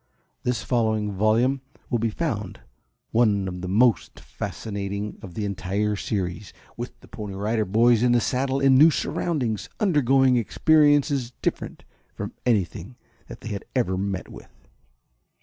This following volume will be found one of the most fascinating of the entire series, with the Pony Riders in the saddle in new surroundings, undergoing experiences different from anything that they had ever met with.